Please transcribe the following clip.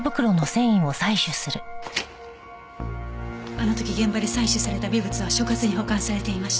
あの時現場で採取された微物は所轄に保管されていました。